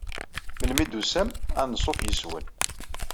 Meli i d-tusam anṣuf yes-wen.